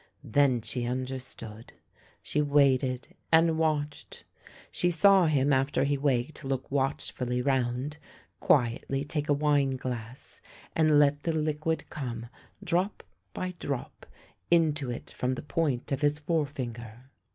Then she understood. She waited and watched. She saw him after he waked look watchfully round, quietly take a wineglass, and let the liquid come drop by drop into it from the point of his forefinger.